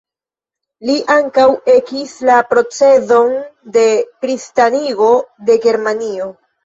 Li ankaŭ ekis la procezon de kristanigo de Germanio.